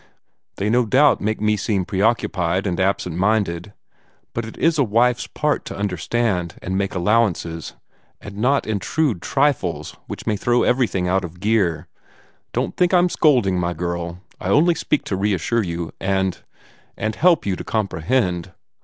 They no doubt make me seem preoccupied and absent minded; but it is a wife's part to understand, and make allowances, and not intrude trifles which may throw everything out of gear. Don't think I'm scolding, my girl. I only speak to reassure you and and help you to comprehend.